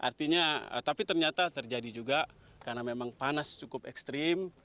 artinya tapi ternyata terjadi juga karena memang panas cukup ekstrim